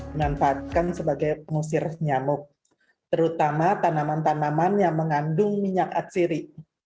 dimanfaatkan sebagai pengusir nyamuk terutama tanaman tanaman yang mengandung minyak atsiri